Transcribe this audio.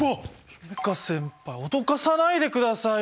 夢叶先輩脅かさないでくださいよ。